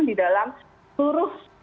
di dalam turuh